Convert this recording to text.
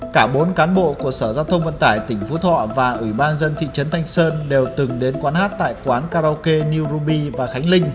cả bốn cán bộ của sở giao thông vận tải tỉnh phú thọ và ủy ban dân thị trấn thanh sơn đều từng đến quán hát tại quán karaoke new ruby và khánh linh